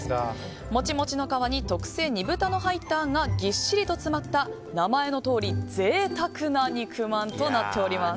モチモチの皮に特製煮豚の入ったあんがぎっしりと詰まった名前のとおり贅沢な肉まんとなっております。